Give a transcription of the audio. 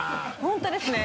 本当ですね。